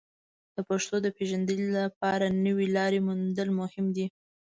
د پښتو د پیژندنې لپاره نوې لارې موندل مهم دي.